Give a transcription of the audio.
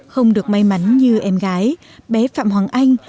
không được may mắn như em gái bé phạm hoàng anh